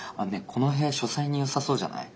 この部屋書斎によさそうじゃない？